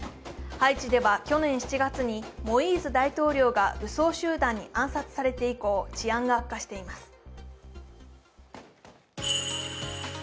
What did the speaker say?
ハイチでは去年７月にモイーズ大統領が武装集団に暗殺されて以降、治安が悪化しています。